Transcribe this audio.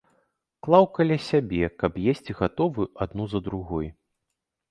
Клаў каля сябе, каб есці гатовую адну за другой.